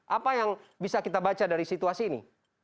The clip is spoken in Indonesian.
apa yang bisa kita baca dari situasi ini